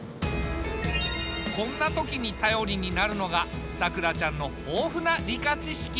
こんな時に頼りになるのがさくらちゃんの豊富な理科知識。